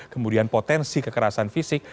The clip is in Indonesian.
kemudian potensi kekerasan fisik